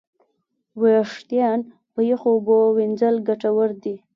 وېښتيان په یخو اوبو وینځل ګټور دي.